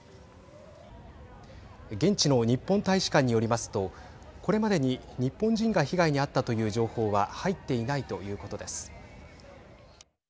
現地の日本大使館によりますとこれまでに、日本人が被害に遭ったという情報は入っていないということです。